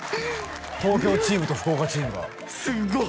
東京チームと福岡チームがすごっ！